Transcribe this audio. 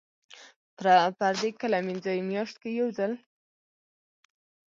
پردې کله مینځئ؟ میاشت کې یوځل